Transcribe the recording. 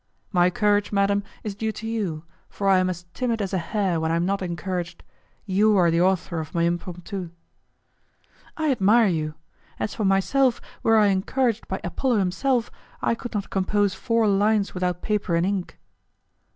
"My courage, madam, is due to you, for I am as timid as a hare when I am not encouraged; you are the author of my impromptu." "I admire you. As for myself, were I encouraged by Apollo himself, I could not compose four lines without paper and ink."